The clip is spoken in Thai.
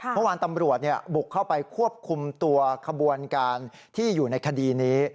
เมื่อวานตำรวจบุกเข้าไปควบคุมตัวขบวนการที่อยู่ในคดีนี้